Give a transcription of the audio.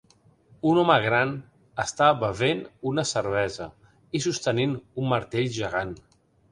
Un home gran està bevent una cervesa i sostenint un martell gegant.